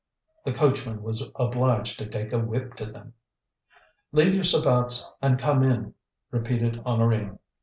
The coachman was obliged to take a whip to them. "Leave your sabots, and come in," repeated Honorine.